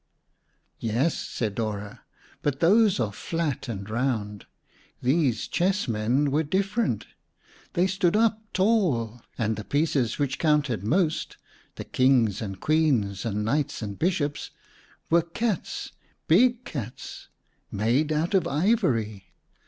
"Yes," said Dora, "but those are flat and round. These chess men were different. They stood up tall, and the pieces which counted most,—the kings and queens and knights and bishops—were cats, big cats, made out of ivory.